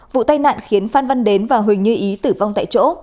vụ tai nạn khiến phan văn đến và huỳnh như ý tử vong tại chỗ